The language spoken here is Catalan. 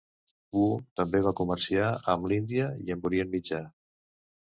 Wu també va comerciar amb l'Índia i amb Orient Mitjà.